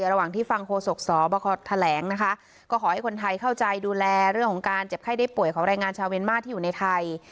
ระหว่างที่ฟังโฆษกสบคแถลงนะคะก็ขอให้คนไทยเข้าใจดูแลเรื่องของการเจ็บไข้ได้ป่วยของแรงงานชาวเมียนมาร์ที่อยู่ในไทย